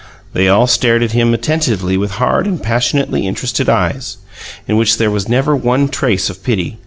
They all stared at him attentively with hard and passionately interested eyes, in which there was never one trace of pity.